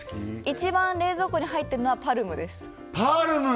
一番冷蔵庫に入ってるのはパルムですパルム！